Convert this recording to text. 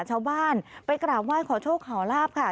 ชาวบ้านไปกราบว่าขอโชคข่าวลาบค่ะ